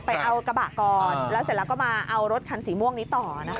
ไปเอากระบะก่อนแล้วเสร็จแล้วก็มาเอารถคันสีม่วงนี้ต่อนะคะ